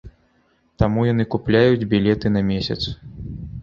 Таму яны купляюць білеты на месяц.